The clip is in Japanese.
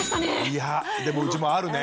いやでもうちもあるね。